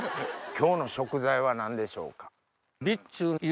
今日の食材は何でしょうか？